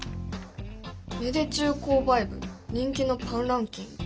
「芽出中購買部人気のパンランキング」？